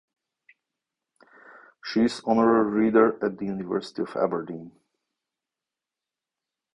She is Honorary Reader at the University of Aberdeen.